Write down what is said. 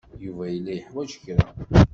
Yuba yella yeḥwaj kra.